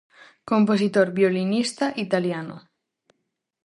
Compositor, violinista italiano.